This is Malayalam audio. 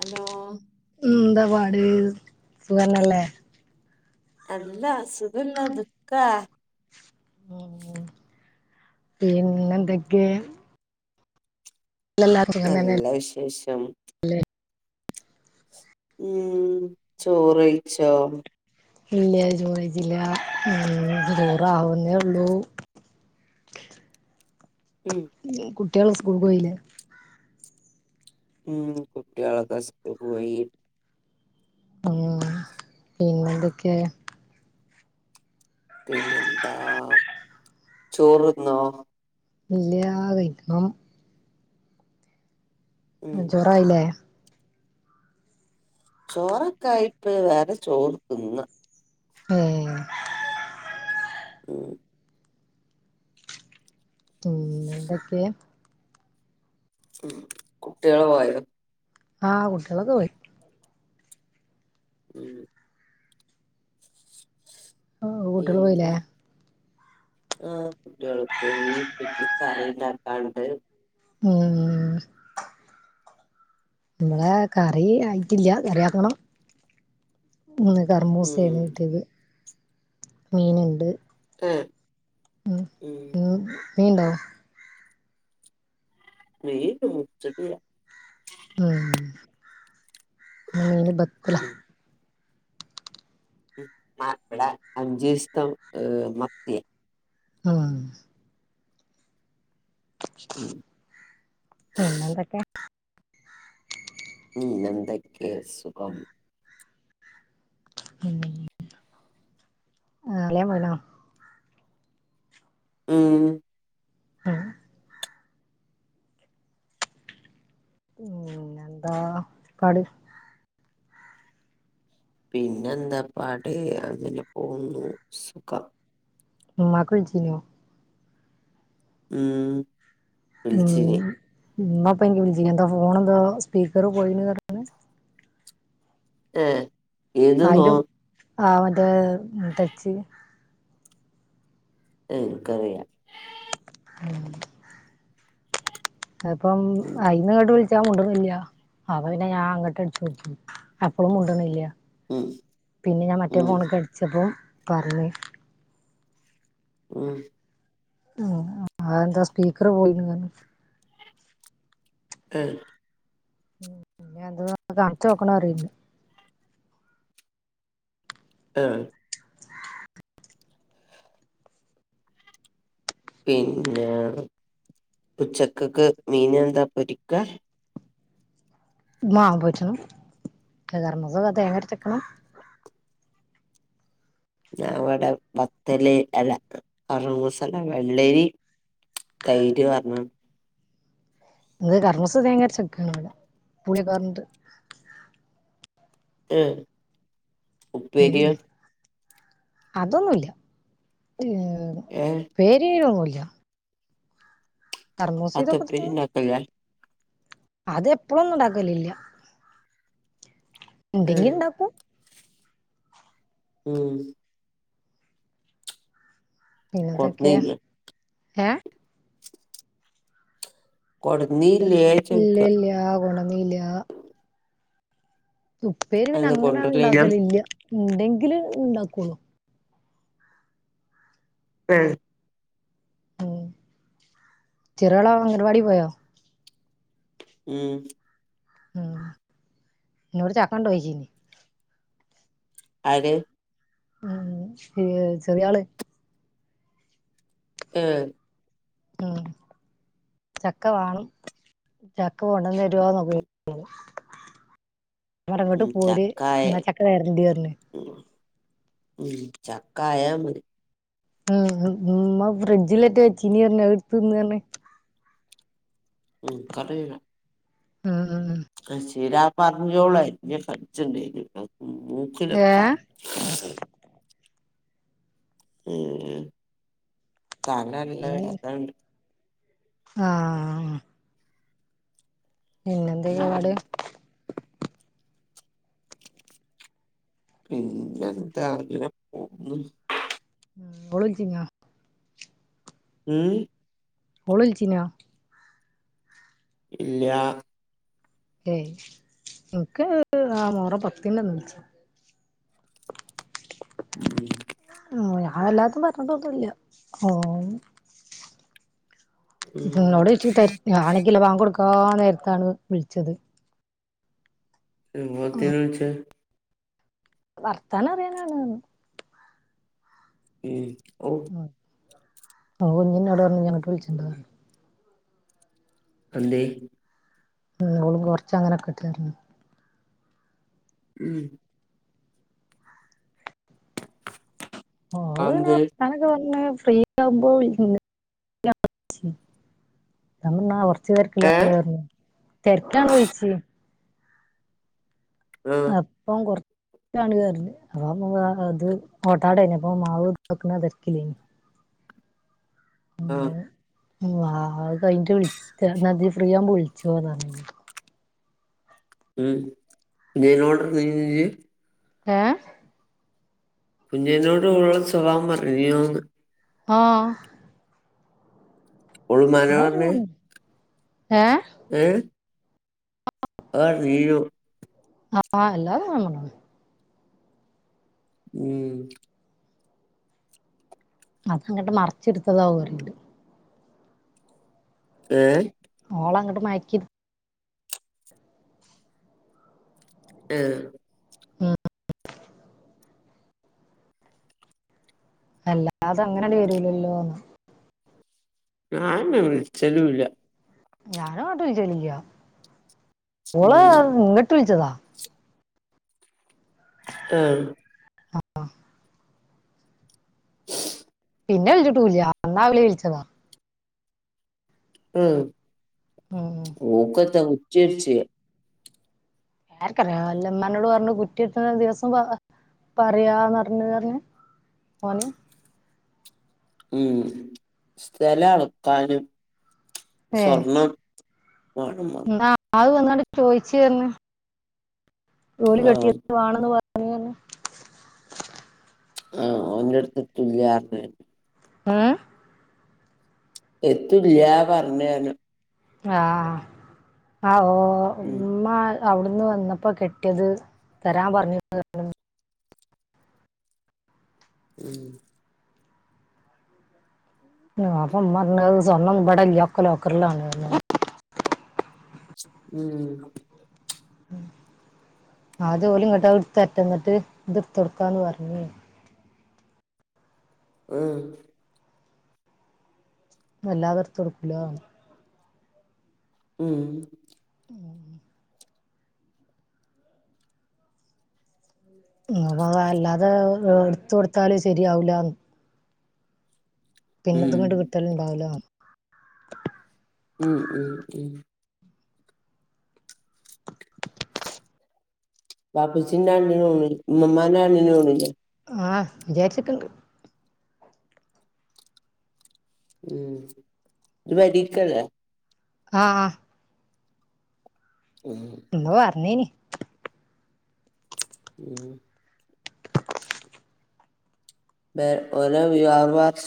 ഹലോ ഉം ന്താ പാട് സുഖഞ്ഞല്ലേ അല്ല അ സുഖല്ല ദുഃഖ ഉ പിന്നെ എന്തൊക്കെ? എല്ലാർക്കും സുഖം നല്ല തന്നെയല്ലേ വിശേഷം ഉം ചോറ്ഴിച്ചോ? ഇല്ല ജോതിച്ചില്ല ദൂറ അവുന്നെള്ളു ശ ഉം കുട്ടിയള് സ്കൂക്ക് പോയില്ലേ ഉം കുട്ടികളക്കാ സ്കൂക്ക് പോയി ആ പിന്നെ എന്തൊക്കെ? പിന്നെന്താ ചോറ്ന്നോ? ഇല്ല കഴിക്കണം ഉം ചോറായില്ലേ? ചോറൊക്കായിപ്പ വേറെ ചോറ് തിന്ന ആ ആ ഉം എന്തൊക്കെ? കുട്ടിയള് പോയോ? ആ കുട്ടിളൊക്കെ പോയി. ഉം കൂട്ടികള് പോയില്ലേ? പിന്നെ ആ കുട്ടികള് പോയി പിന്നെ കറിണ്ടാക്കാണ്ട് ഉം മളെ കറി ആയിട്ടില്ല കറി ആക്കണം മൂന്ന് ഉം കറമൂസേണ് കിട്ടിയത് മീന്ണ്ട്. ഉം ഉം മീൻണ്ടോ [unintelligible] അ മീന് ബക്കല അ വടെ അഞ്ചുസ്തം മത്തിയെ ആ ഉം പിന്നെന്തൊക്കെ ന്നെന്തെയ്ക്കേ സുഖം ആ അലിയൻ പോയ്ണോ? ഉം അ പിന്നെന്താ കളി പിന്നെെന്താ പാട് അങ്ങനെ പോകന്നു സുഖം. ഇമ്മാക്ക് വിളിച്ചിന്നോ ഉം വിളിച്ചിനി മമ്മപ്പിൻക്ക് ന്തോ ഫോണെ ന്തോ സ്പീക്കര് പോയിണ് ർഞ്ഞു ഏ ഏത് നോ ആയിലും ആ മറ്റേ തച്ച് ഏർക്കറിയാം ഉം അപ്പം ഉം അയിന്ന ട് വിൾ മുണ്ട്ണില്ല അപ്പൊ പിന്നെ ഞാൻ അങ്ങട്ട് അടിച്ചു നോക്കി അപ്പളും മുണ്ട്ണില്ല ഉം പിന്നെ ഞാൻ മറ്റേ ഉം ഫോൺ കടിച്ചപ്പോ പറഞ്ഞു ആ ഉ ആ എന്താ സ്പീക്കർ പോയിണ് പറ ഞ്ഞ് ഏ ഉം പിന്നെ എന്ത കാണിച്ചു നോക്കണം റിണ്ട് ങ് പിന്നെ ഉച്ചക്കക്ക് മീനെന്താ പൊരിക്കാ ആ പോരിച്ചണം [unintelligible] തേങ്ങ അരച്ചെക്കണം ഇവിടെ വത്തല് അല്ല അറൂസല വെള്ളരി തൈര് പാർന്ന് നിങ്ങക്ക് കർമൂസ തേങ്ങ അരച് വെക്കാണ് ഇവിടെ പുളിയൊക്ക പാർന്നിട്ട് ഏ ഉപ്പേരിയോ? അതൊന്നുംല്ല ഏഹ് ഉപ്പേരി ഒന്നുംല്ല അതെന്താ ഉപ്പേരി തന്നെ ഇണ്ടാകെല്ലാ അത് എപ്പോളും ഒന്നും ഉണ്ടാക്കലില്ല ഏഹ് എന്തെങ്കിലുണ്ടാക്കും ഉം പിന്നന്തോക്കെ കൊട്ന്നീല്ല ഏ കൊടുന്നീല്ലേ ഇല്ല ചോദിക്ക ഇല്ല കൊണ്ടോന്നീല്ല ഉപ്പേരി പിന്നെ അന്ന് അങ്ങനെങ്ങട്ട് കൊണ്ടുവരില്ല ഉണ്ടാക്കലില്ല ഉണ്ടെങ്കിൽ ഉണ്ടാക്കുള്ളൂ ആ ഉ ചെറിയോൾ അംഗൻവാടി പോയോ മ് ഉ ഇന്നോട് ചാക്കണ്ടോ ചോയിച്ചീനി ആര് ആ ചെറിയ ആള് ഹേ ഉം ചക്ക വാണം ചക്ക കൊണ്ട്ന്ന് തരോന്ന് ഒക്കെ [unintelligible] ഉം ചക്കായ ഇന്നാ ചക്ക തരണ്ട് പറഞ്ഞ് ഉം ഉം ചക്കായ മതി ഉ ഉമ്മ ഫ്രിഡ്ജിലറ്റ വച്ചീനി പറഞ്ഞ് അത് ഇടുത്ത് തിന്ന് പറഞ്ഞ് ഉം ഇൻക് അറീല ആ ചീര പറങ്കി മുളക് അരിഞ്ഞ് കടിച്ച് ഉണ്ടായിനിട്ടെ മൂക്ക്ലൊക്കെ ഏഹ് ആയി ഉ തലല്ല വേദന ഇണ്ട് ആ ഉം പിന്നെന്തൊക്കെപാട് പിന്നെ എന്താ അങ്ങന പോന്നു ഓള് വിളിച്ചീനോ ഉം ഓള് വിളിചീനോ ഇല്ല ഏയ് ഇനിക്ക് ആ മോഹറം പത്തിന്റെ അന്ന് വിളിച്ച് ഉം ആ അല്ലാതും ഒന്നുംപറഞ്ഞിട്ട് ഒന്നുല്ല ഹം ഉം നിന്നോട് ചോയ്ച് തെരക്ക് അതാണെങ്കിലോ ബാങ്ക് കൊടുക്കാ നേരത്താണ് വിളിച്ചത് എത്തിനെ വിളിച്ചേ വർത്താനം അറിയാനാണ്ന്ന് ഉം ഔ ഓ ഇന്നവിട പറഞ്ഞു ഞങ്ങട്ട് വിളിച്ചിണ്ട പറഞ്ഞു എന്തേ? ഓൾ കുറച്ചങ്ങനെ കേട്ടിരുന്നു ഉം ഓള് പിന്നെ അന്തേ വർത്താനം ഒക്കെ പറഞ്ഞു ഫ്രീ ആവുമ്പോ നമ്മ [unintelligible] [inaudible] അ ഏഹ് തിരക്കാണ് വിളിച്ചാൽ [unintelligible] ആഹ് അപ്പം കൊറച്ച് താണ് പറഞ്ഞു അപ്പൊ അത് ഓട്ടാടന അപ്പൊ മാവ് നോക്കുന്ന തിരക്കിലാണ് ആ. ഉ കഴിഞ്ഞട്ട് വിളിച്ച മതി ന്നാ ഫ്രീ ആവുമ്പോ വിളിചോ നീ ഉം [unintelligible] [unintelligible] ഏ കുഞ്ഞിനോട് ഓൾടെ സ്വഭാവം പറഞ്ഞോന്ന് ആ ഒരുഴ [unintelligible] [unintelligible] ഏ? ഏ? ആ നീരു [unintelligible] ആ അല്ലാതെ നങ്ങ [inaudible] [unintelligible] ഉം അതങ്ങോട്ട് മറച്ചെടുത്തതാ ഒരു രണ്ടു ഏ? അവളെ അങ്ങോട്ട് മയക്കി ആ ഉം അല്ലാതെ അങ്ങനെങ്ങട് വരൂലല്ലോ ഞാൻ എന്നെ വിളിച്ചലുല്ലാ ഞാനും അങ്ങോട്ട് വിളിക്കൽ ഇല്ല ഓള് ഉം ഇങ്ങോട്ട് വിളിച്ചതാ ആ ആ പിന്നെ വിളിച്ചിട്ടൂല്ല അന്ന് അവളെ വിളിച്ചതാ ഉം ക്കത്ത ഉച്ചിർച്ച് [unintelligible] ആർക്കറിയാം എന്റെ ഉമ്മാനോട് പറഞ്ഞു കുറ്റി എടുത്ത ദിവസം പറയാന്ന് പറഞ്ഞു എന്നു പറഞ്ഞു ഓൻ ഉം സ്ഥലം അളക്കാനും ഏ സ്വർണം വേണമെന്ന് എന്നാ അത് വന്നങ്ങണ്ട് ചോയിച്ചു എന്ന് ജോലി ആ കിട്ടിയ വേണെന്ന് പറ പറഞ്ഞു ആ ഒന്റെ അടുത്ത് എത്തുല്ലാന്നു പറഞ്ഞു [unintelligible] ഏ എത്തൂല്ല പറഞ്ഞയാണ് [unintelligible] ആ ആ ഓ ഉം മ്മാ അവിടുന്ന് വന്നപ്പോ കെട്ടിയത് തരാൻ പറഞ്ഞു ഉം അപ്പം ഉമ്മ പറഞ്ഞു സ്വർണ്ണം ഇവിടെയില്ല എല്ലാം ലോക്കറിൽ ആണെന്ന് ഉം അത് ഓല് ഇങ്ങോട്ട് എടുത്ത് തരട്ടെ ന്ന് ന്നിട്ട് ഇത് ടുത്ത് കൊടുക്കാന്ന് പറഞ്ഞ ഏ അല്ലാതെ എടുത്തു കൊടുക്കില്ല ഉം ഉം അതഅതല്ലാതെ എടുതൊടുത്താല് ശരിയാവൂല്ലന്ന് പിന്നെ ത് ഉം ഇങ്ങട്ട് കിട്ടലുണ്ടാവില്ല ഉം ഉം ഉം ബപ്പച്ചിന്റെ ആണ്ടിന് പോണില്ലേ ഇമ്മാന്റെ ആണ്ടിനു പോണില്ലേ ആ വിചാരിച്ചക്കണ്ട് ഉം ഇജ് പെരിക്കല്ലേ ആ ആ ഉം ന്ന് പറഞ്ഞേന് ഉം വേ ഓരോ വിവ വ